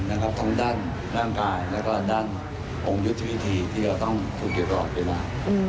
ทั้งด้านร่างกายแล้วก็ด้านองค์ยุทธวิธีที่เราต้องฝึกอยู่ตลอดเวลา